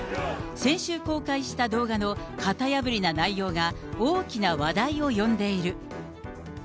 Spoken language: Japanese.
先週公開した動画の型破りな内容が、大きな話題を呼んでいる。